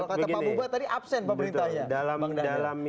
kalau kata pak buba tadi absen pemerintahnya